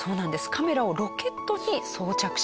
カメラをロケットに装着します。